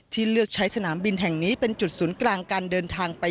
เลือกใช้สนามบินแห่งนี้เป็นจุดศูนย์กลางการเดินทางไป